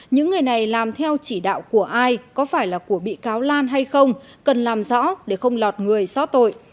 những người này làm theo chỉ đạo của ai có phải là của bị cáo lan hay không cần làm rõ để không lọt người xót tội